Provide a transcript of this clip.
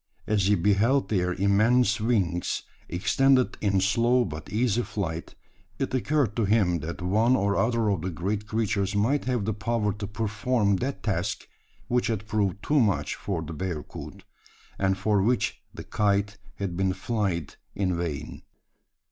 As he beheld their immense wings, extended in slow but easy flight, it occurred to him that one or other of the great creatures might have the power to perform that task which had proved too much for the bearcoot; and for which the "kite" had been "flyed" in vain.